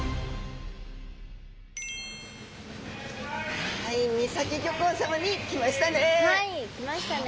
はい三崎漁港さまに来ましたね。